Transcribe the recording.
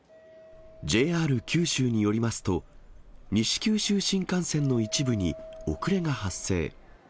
ＪＲ九州によりますと、西九州新幹線の一部に遅れが発生。